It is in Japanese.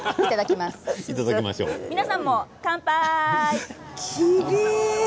皆さんも乾杯！